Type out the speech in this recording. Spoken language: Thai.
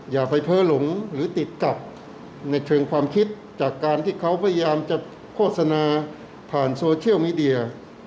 อย่าไปเพ้อหลงหรือติดกับในเชิงความคิดจากการที่เขาพยายามจะโฆษณาผ่านโซเชียลมีเดีย